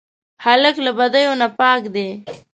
هلک له بدیو نه پاک دی.